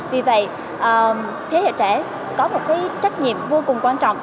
vì vậy thế hệ trẻ có một trách nhiệm vô cùng quan trọng